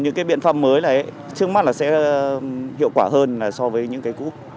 những cái biện pháp mới là chứng mắc là sẽ hiệu quả hơn so với những cái cũ